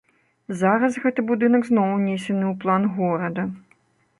Зараз гэты будынак зноў унесены ў план горада.